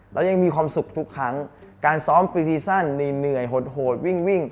เรายังมีความสุขทุกครั้งการซ้อมฟิวทีสั้นหน่วยหดวิ่ง